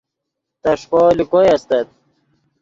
تݰکو لے کوئے استت